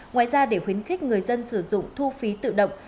ngoài ra để khuyến khích người dân sử dụng thu phí tự động